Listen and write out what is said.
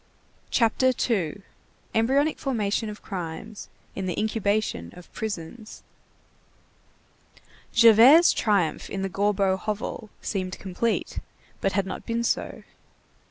CHAPTER II—EMBRYONIC FORMATION OF CRIMES IN THE INCUBATION OF PRISONS Javert's triumph in the Gorbeau hovel seemed complete, but had not been so.